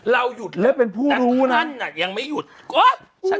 เราหยุดแล้วแต่ตอนนั้นยังไม่หยุดโอ๊ย